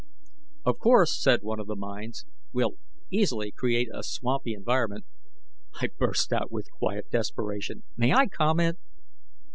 "Of course," said one of the Minds, "we'll easily create a swampy environment " I burst out with quiet desperation: "May I comment?"